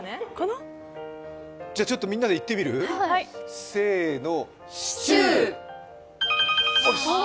じゃあ、ちょっとみんなで言ってみる？せーの。